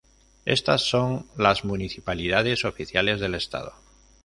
Estas son las municipalidades oficiales del estado.